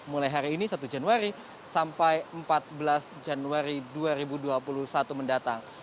mulai hari ini satu januari sampai empat belas januari dua ribu dua puluh satu mendatang